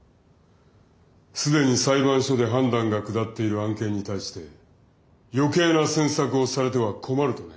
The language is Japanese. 既に裁判所で判断が下っている案件に対して余計な詮索をされては困るとね。